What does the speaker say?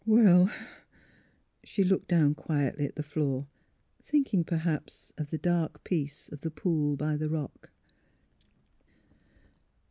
Well " She looked down quietly at the floor, thinking, perhaj^s, of the dark peace of the pool by the rock.